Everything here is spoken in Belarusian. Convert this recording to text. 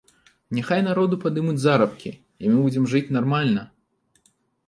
Няхай народу падымуць заробкі, і мы будзем жыць нармальна.